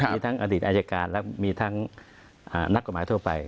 มีทั้งอดีตอายการและมีทั้งนักกฎหมายทั่วไป